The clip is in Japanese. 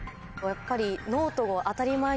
やっぱり。